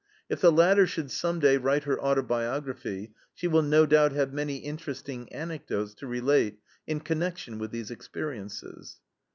If the latter should some day write her autobiography, she will no doubt have many interesting anecdotes to relate in connection with these experiences.